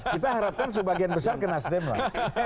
kita harapkan sebagian besar ke nasdem lah